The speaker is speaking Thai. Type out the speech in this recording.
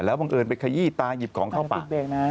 บังเอิญไปขยี้ตาหยิบของเข้าปาก